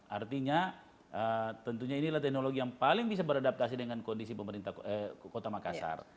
artinya tentunya inilah teknologi yang paling bisa beradaptasi dengan kondisi pemerintah kota makassar